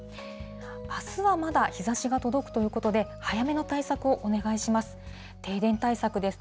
あすはまだ日ざしが届くということで、早めの対策をお願いします。